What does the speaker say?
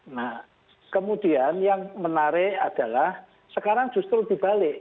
nah kemudian yang menarik adalah sekarang justru di bali